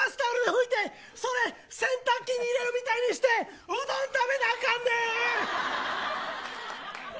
これから洗うバスタオルで拭いてそれを洗濯機に入れるみたいにしてうどん食べなあかんねん。